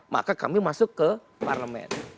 maka kami masuk ke parlemen